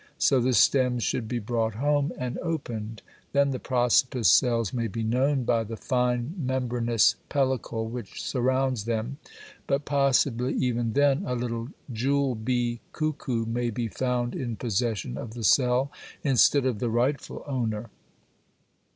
So the stems should be brought home and opened. Then the Prosopis cells may be known by the fine membranous pellicle which surrounds them, but possibly even then a little jewel bee cuckoo may be found in possession of the cell, instead of the rightful owner.